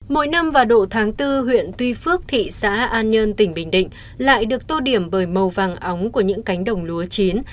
mỗi năm vào độ tháng bốn huyện tuy phước thị xã an nhơn tỉnh bình định lại được tô điểm bởi màu vàng óng của những cánh đồng lúa chín